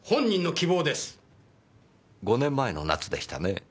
５年前の夏でしたね。